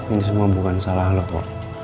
ini semua bukan salah lo pa